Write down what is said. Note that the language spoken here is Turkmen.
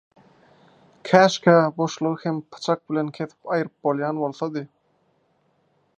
Käşgä boşlugy hem pyçak bilen kesip aýryp bolýan bolsady.